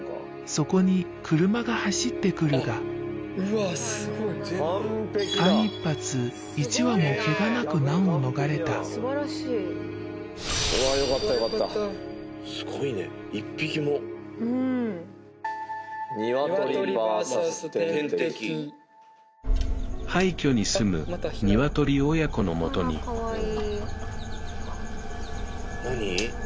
そこに車が走ってくるが間一髪１羽もわあよかったよかったすごいね１匹も廃虚にすむニワトリ親子のもとに何？